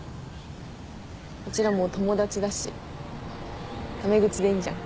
うちらもう友達だしタメ口でいいじゃん。